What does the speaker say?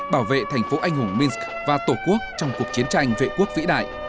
bảo vệ thành phố anh hùng minsk và tổ quốc trong cuộc chiến tranh vệ quốc vĩ đại